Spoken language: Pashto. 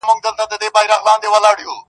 • چي وركوي څوك په دې ښار كي جينكو ته زړونه.